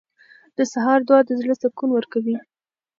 • د سهار دعا د زړه سکون ورکوي.